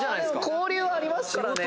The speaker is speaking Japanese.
交流はありますからね。